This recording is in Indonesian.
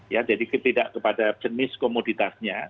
ya jadi tidak kepada jenis komoditasnya